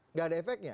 nggak ada efeknya